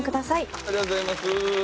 ありがとうございます。